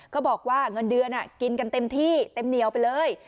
บอกว่าเงินเดือนกินกันเต็มที่เต็มเหนียวไปเลย